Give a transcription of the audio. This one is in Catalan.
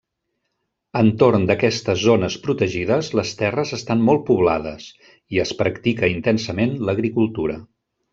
Entorn d'aquestes zones protegides, les terres estan molt poblades i es practica intensament l'agricultura.